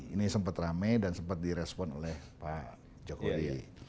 ini sempat rame dan sempat direspon oleh pak jokowi